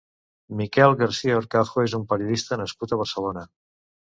Miquel Garcia Horcajo és un periodista nascut a Barcelona.